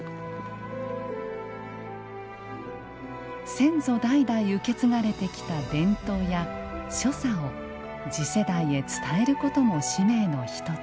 先祖代々受け継がれてきた伝統や所作を次世代へ伝えることも使命の一つ。